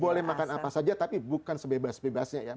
boleh makan apa saja tapi bukan sebebas bebasnya ya